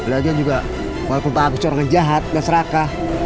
lagi juga walaupun pak agus orangnya jahat gak serakah